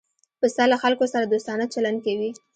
پسه له خلکو سره دوستانه چلند کوي.